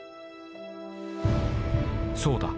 「そうだ。